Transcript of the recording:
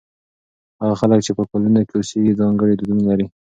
هغه خلک چې په کلو کې اوسېږي ځانګړي دودونه لري.